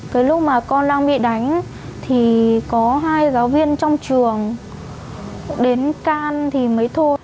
cái lúc mà con đang bị đánh thì có hai giáo viên trong trường đến can thì mới thôi